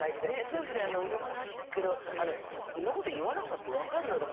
夫婦でいろんなお話聞くけど「んなこと言わなくたって分かるだろ」